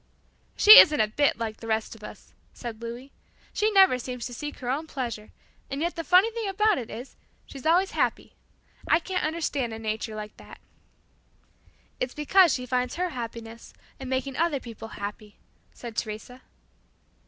"She isn't a bit like the rest of us," said Louis, "she never seems to seek her own pleasure, and yet the funny thing about it is, she's always happy. I can't understand a nature like that." "It's because she finds her happiness in making other people happy," said Teresa.